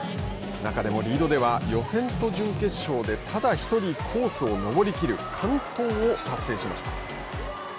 中でもリードではただ１人コースを登りきる完登を達成しました。